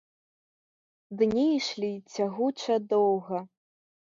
Дні ішлі цягуча доўга.